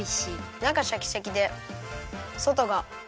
なかシャキシャキでそとがふわふわ。